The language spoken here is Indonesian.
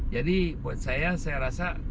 jadi buat saya saya rasa